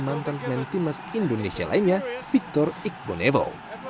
mantan pemain timnas indonesia lainnya victor igbo nevo